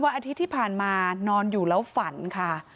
อาทิตย์ที่ผ่านมานอนอยู่แล้วฝันค่ะ